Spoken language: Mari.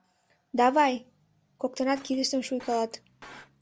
— Давай! — коктынат кидыштым шуйкалат.